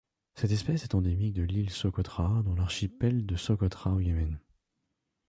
Cette espèce est endémique de l'île Socotra dans l'archipel de Socotra au Yémen.